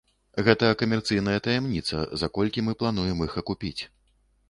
Гэта камерцыйная таямніца, за колькі мы плануем іх акупіць.